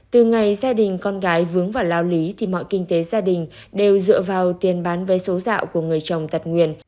từ ngày gia đình con gái vướng vào lao lý thì mọi kinh tế gia đình đều dựa vào tiền bán vé số dạo của người chồng tật nguyền